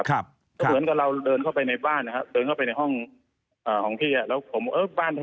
อ่าทีนี้ความลื่น